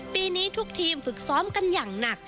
ปีนี้ทุกทีมฝึกซ้อมกันอย่างหนัก